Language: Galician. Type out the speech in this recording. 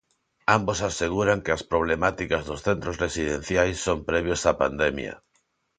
Ambos aseguran que as problemáticas dos centros residenciais son previos á pandemia.